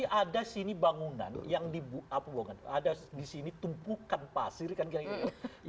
jadi bangunan yang di apa ada di sini tumpukan pasir kan kira kira